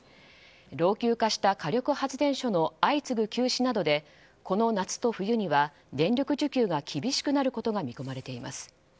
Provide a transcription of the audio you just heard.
老朽化した火力発電所の相次ぐ休止などでこの夏と冬には電力需給が厳しくなることが見込まれています。